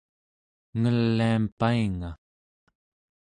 ngeliam painga